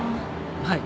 はい。